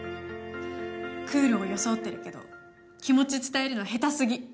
クールを装ってるけど気持ち伝えるの下手過ぎ！